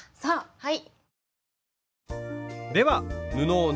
はい。